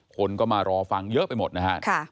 คนก็มารอฟังเยอะไปหมดนะฮะ